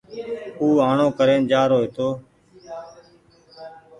او آڻو ڪرين جآرو هيتو